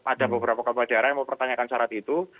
ada beberapa kabar daerah yang mau pertanyakan syarat itu